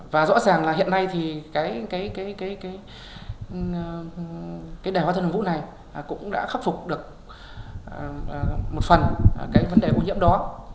và rõ ràng là hiện nay thì cái đài hóa thân hồng vũ này cũng đã khắc phục được một phần vấn đề ô nhiễm đó